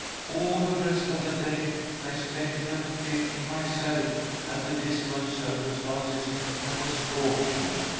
All the rest of the day I spent in afflicting myself at the dismal circumstances I was brought to, viz.